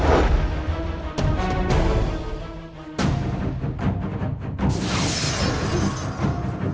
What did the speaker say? aku akan menang